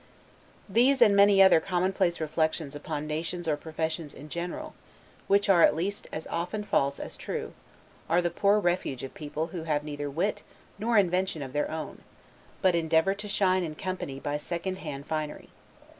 These and many other commonplace reflections upon nations or professions in general (which are at least as often false as true), are the poor refuge of people who have neither wit nor invention of their own, but endeavor to shine in company by second hand finery.